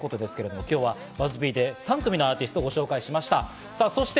今日はＢＵＺＺ−Ｐで３組のアーティストをご紹介しました。